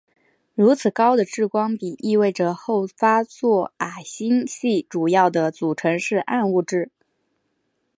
如此高的质光比意味着后发座矮星系主要的组成是暗物质。